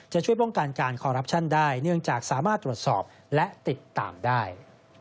ช่วยป้องกันการคอรัปชั่นได้เนื่องจากสามารถตรวจสอบและติดตามได้